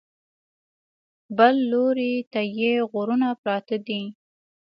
بل لوري ته یې غرونه پراته دي.